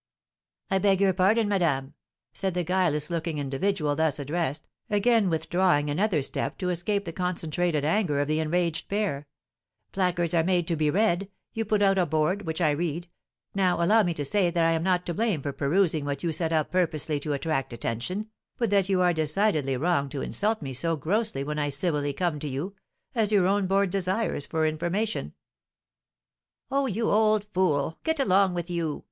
"I beg your pardon, madame," said the guileless looking individual thus addressed, again withdrawing another step to escape the concentrated anger of the enraged pair; "placards are made to be read, you put out a board, which I read, now allow me to say that I am not to blame for perusing what you set up purposely to attract attention, but that you are decidedly wrong to insult me so grossly when I civilly come to you, as your own board desires, for information." "Oh, you old fool! Get along with you!"